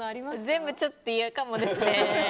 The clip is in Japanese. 全部ちょっと嫌かもですね。